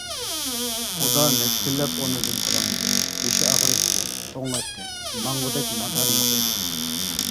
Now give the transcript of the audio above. ئۇدا نەچچە كۈنلەپ ئورنىدىن تۇرالمىدى، بېشى ئاغرىيتتى، توڭلاتتى، ماڭغۇدەك مادارى يوق ئىدى.